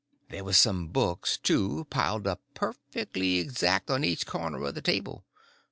There was some books, too, piled up perfectly exact, on each corner of the table.